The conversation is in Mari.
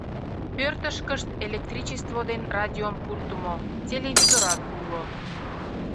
Пӧртышкышт электричество ден радиом пуртымо, телевизорат уло.